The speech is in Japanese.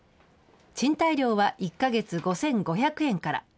賃貸料は１か月５５００円から。